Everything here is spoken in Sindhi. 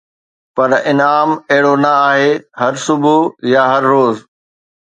پر انعام اهڙو نه آهي هر صبح يا هر روز